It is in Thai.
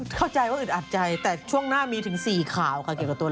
เข้าใจว่าอึดอัดใจแต่ช่วงหน้ามีถึง๔ข่าวค่ะเกี่ยวกับตัวเลข